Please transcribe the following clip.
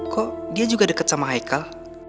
kok dia juga deket sama haikal